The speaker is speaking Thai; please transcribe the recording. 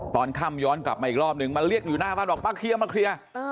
ตอนค่ำย้อนกลับมาอีกรอบนึงมาเรียกอยู่หน้าบ้านบอกป้าเคลียร์มาเคลียร์